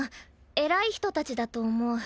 偉い人たちだと思う。